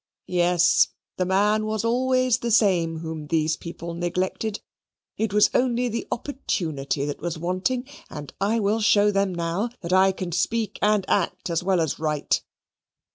Yes, the man was always the same whom these people neglected: it was only the opportunity that was wanting, and I will show them now that I can speak and act as well as write.